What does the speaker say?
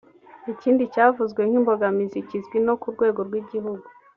Ikindi cyavuzwe nk’imbogamizi kizwi no ku rwego rw’igihugu